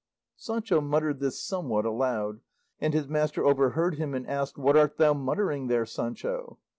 Sancho muttered this somewhat aloud, and his master overheard him, and asked, "What art thou muttering there, Sancho?"